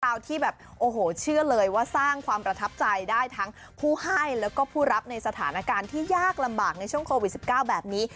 ที่แบบโอ้โหเชื่อเลยว่าสร้างความประทับใจได้ทั้งผู้ให้แล้วก็ผู้รับในสถานการณ์ที่ยากลำบากในช่วงโควิด๑๙แบบนี้